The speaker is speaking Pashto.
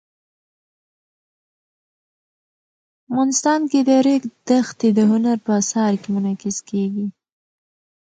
افغانستان کې د ریګ دښتې د هنر په اثار کې منعکس کېږي.